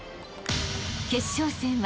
［決勝戦は］